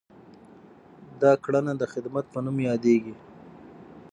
دا کړنه د خدمت په نوم یادیږي.